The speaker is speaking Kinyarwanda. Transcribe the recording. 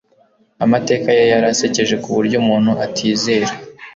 Amateka ye yari asekeje kuburyo umuntu atizera.